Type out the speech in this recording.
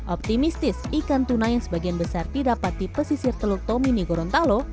optimistis ikan tuna yang sebagian besar didapat di pesisir teluk tomini gorontalo